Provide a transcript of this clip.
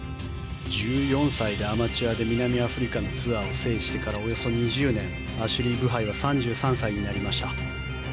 １４歳でアマチュアで南アフリカのツアーを制してからおよそ２０年アシュリー・ブハイは３３歳になりました。